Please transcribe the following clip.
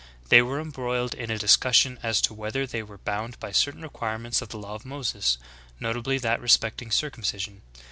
" They were embrx^iled in a dis cussion as to whether they were bound by certain require ments of the law of Moses, notably that respecting circum cision.